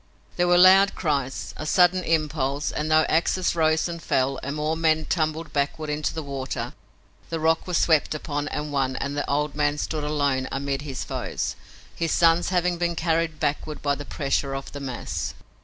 There were loud cries, a sudden impulse and, though axes rose and fell and more men tumbled backward into the water, the rock was swept upon and won and the old man stood alone amid his foes, his sons having been carried backward by the pressure of the mass.